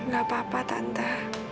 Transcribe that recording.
gak apa apa tante